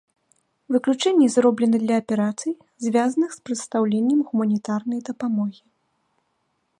Выключэнні зроблены для аперацый, звязаных з прадстаўленнем гуманітарнай дапамогі.